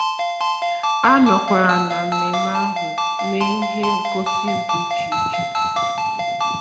A nọkwara na mmemme ahụ mee ihe ngosi dị iche iche